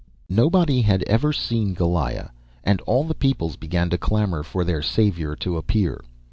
Nobody had ever seen Goliah, and all peoples began to clamour for their saviour to appear.